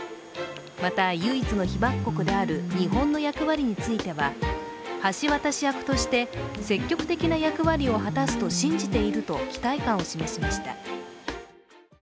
また、唯一の被爆国である日本の役割については橋渡し役として積極的な役割を果たすと信じていると期待感を示しました。